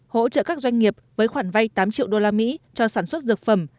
hỗ trợ các doanh nghiệp với khoản vay tám triệu usd cho sản xuất dược phẩm